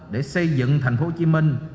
để xây dựng thành phố hồ chí minh